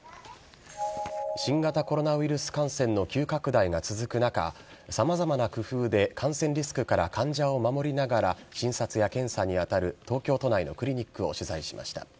新型コロナウイルス感染の急拡大が続く中、さまざまな工夫で感染リスクから患者を守りながら、診察や検査に当たる東京都内のクリニックを取材しました。